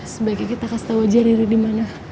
sebaiknya kita kasih tau aja riri dimana